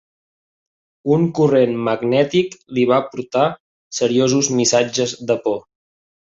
Un corrent magnètic li va portar seriosos missatges de por.